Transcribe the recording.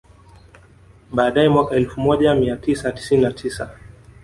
Baadae mwaka elfu moja mia tisa tisini na tisa